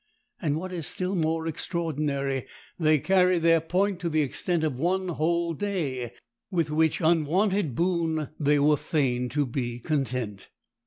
And what is still more extraordinary, they carried their point to the extent of one whole day, with which unwonted boon they were fain to be content.